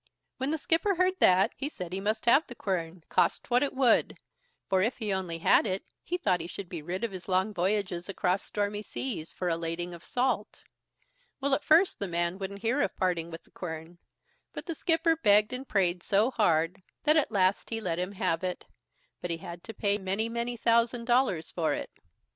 When the skipper heard that, he said he must have the quern, cost what it would; for if he only had it, he thought he should be rid of his long voyages across stormy seas for a lading of salt. Well, at first the man wouldn't hear of parting with the quern; but the skipper begged and prayed so hard, that at last he let him have it, but he had to pay many, many thousand dollars for it.